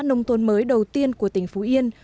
nông tôn mới đầu tiên của tỉnh phú yên